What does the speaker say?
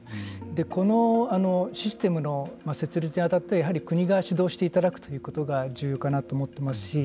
このシステムの設立に当たって国が指導していただくということが重要かなと思ってますし。